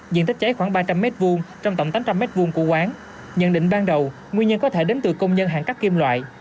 diện tích cháy khoảng ba trăm linh m hai trong tổng tám trăm linh m hai của quán nhận định ban đầu nguyên nhân có thể đến từ công nhân hạn cắt kim loại